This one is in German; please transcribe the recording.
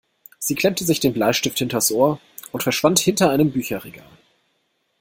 Sie klemmte sich den Bleistift hinters Ohr und verschwand hinter einem Bücherregal.